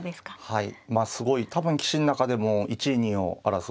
はい。